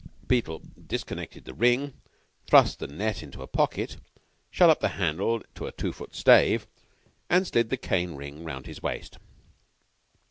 Beetle disconnected the ring, thrust the net into a pocket, shut up the handle to a two foot stave, and slid the cane ring round his waist.